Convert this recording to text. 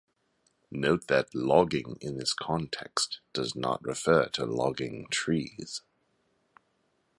Note that logging in this context does not refer to logging trees.